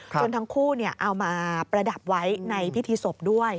ทั้งคู่เอามาประดับไว้ในพิธีศพด้วย